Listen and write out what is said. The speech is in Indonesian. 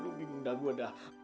aduh bingung mbak gue dah